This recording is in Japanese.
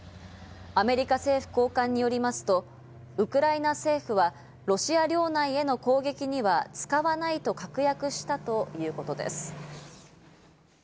アメリカ政府高官によりますと、ウクライナ政府は、ロシア領内への攻撃には使わないと確約したということです。